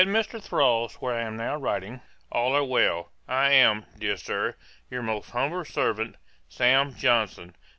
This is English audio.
At Mr. Thrale's, where I am now writing, all are well. I am, dear Sir, 'Your most humble servant, 'SAM. JOHNSON.'